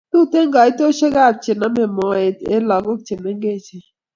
Tuten kaitoshek ab che name moet en lakok che mengeji